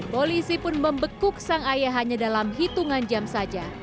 polisi pun membekuk sang ayah hanya dalam hitungan jam saja